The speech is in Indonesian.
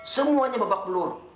semuanya bebak belur